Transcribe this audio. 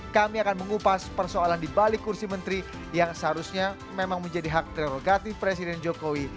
kami akan mengupas persoalan di balik kursi menteri yang seharusnya memang menjadi hak prerogatif presiden jokowi